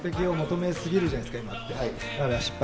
完璧を求めすぎるじゃないですか、今って。